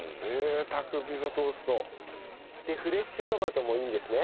贅沢ピザトースト。でフレッシュトマトもいいんですね。